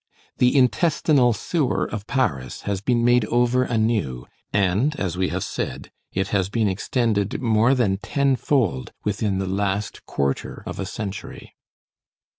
The intestinal sewer of Paris has been made over anew, and, as we have said, it has been extended more than tenfold within the last quarter of a century.